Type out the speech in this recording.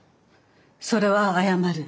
それは謝る。